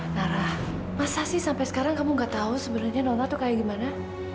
nara masa sih sampai sekarang kamu gak tahu sebenarnya nona tuh kayak gimana